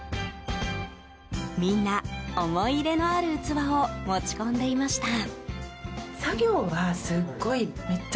みんな、思い入れのある器を持ち込んでいました。